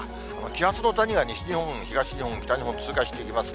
気圧の谷が西日本、東日本、北日本を通過していきます。